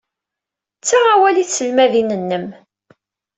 Ttaɣ awal i tselmadin-nnem.